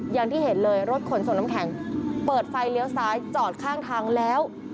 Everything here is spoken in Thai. อย่างที่เห็นเลยรถขนส่งน้ำแข็งเปิดไฟเลี้ยวซ้ายจอดข้างทางแล้ว